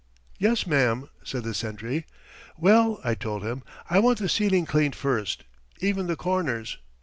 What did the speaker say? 'Yes, mam,' said the sentry. 'Well,' I told him, 'I want the ceiling cleaned first, even the corners!'